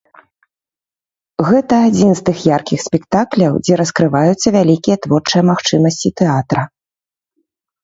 Гэта адзін з тых яркіх спектакляў, дзе раскрываюцца вялікія творчыя магчымасці тэатра.